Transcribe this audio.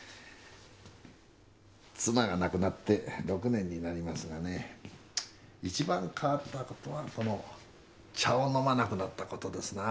妻が亡くなって６年になりますがねいちばん変わったことはこの茶を飲まなくなったことですな。